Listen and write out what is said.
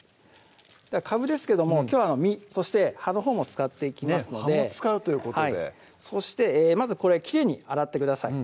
かぶですけどもきょうは実そして葉のほうも使っていきますので葉も使うということでそしてまずこれきれいに洗ってください